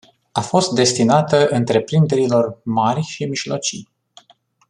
A fost destinată întreprinderilor mari și mijlocii.